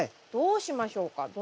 どうしましょうか？